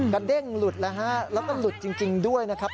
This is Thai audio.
เด้งหลุดแล้วฮะแล้วก็หลุดจริงด้วยนะครับ